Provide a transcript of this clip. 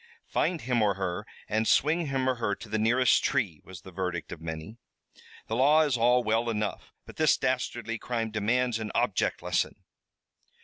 "Find him or her, and swing him or her to the nearest tree," was the verdict of many. "The law is all well enough, but this dastardly crime demands an object lesson."